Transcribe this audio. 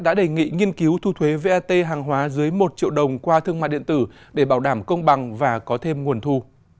đã đề nghị nghiên cứu thu thuế vat hàng hóa dưới một triệu đồng qua thương mại điện tử để bảo đảm công bằng và có thêm nguồn thu